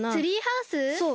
そう。